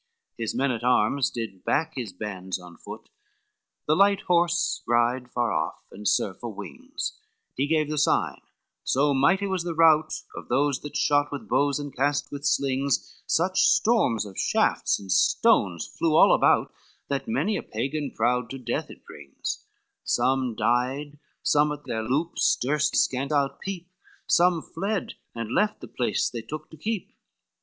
XXXII His men at arms did back his bands on foot, The light horse ride far off and serve for wings, He gave the sign, so mighty was the rout Of those that shot with bows and cast with slings, Such storms of shafts and stones flew all about, That many a Pagan proud to death it brings, Some died, some at their loops durst scant outpeep, Some fled and left the place they took to keep.